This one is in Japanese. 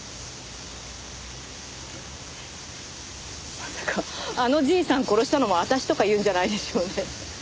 まさかあのじいさん殺したのも私とか言うんじゃないでしょうね？